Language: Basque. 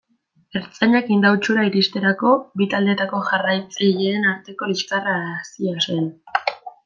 Ertzainak Indautxura iristerako, bi taldeetako jarraitzaileen arteko liskarra hasia zen.